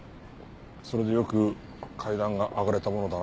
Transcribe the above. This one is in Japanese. それでよく階段が上がれたものだな。